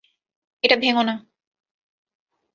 এটা ভেঙ্গো না!